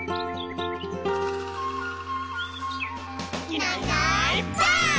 「いないいないばあっ！」